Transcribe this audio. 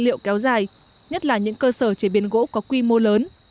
liệu kéo dài nhất là những cơ sở chế biến gỗ có quy mô lớn